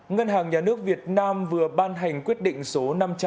ngân hàng nhà nước việt nam vừa ban hành quyết định số năm trăm ba mươi tám